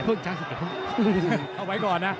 เอาไว้ก่อนนะ